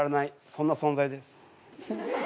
そんな存在です。